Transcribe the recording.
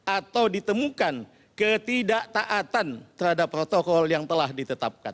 atau ditemukan ketidaktaatan terhadap protokol yang telah ditetapkan